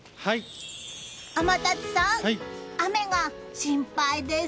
天達さん、雨が心配です。